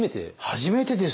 初めてですよ。